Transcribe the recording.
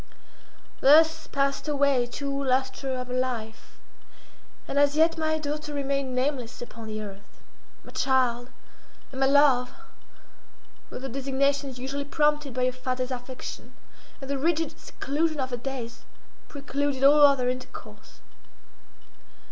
Thus passed away two lustra of her life, and as yet my daughter remained nameless upon the earth. "My child," and "my love," were the designations usually prompted by a father's affection, and the rigid seclusion of her days precluded all other intercourse.